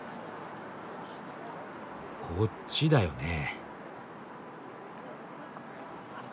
こっちだよね。